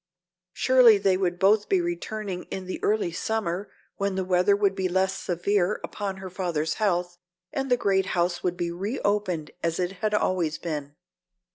Surely they would both be returning in the early summer when the weather would be less severe upon her father's health and the great house would be reopened as it had always been.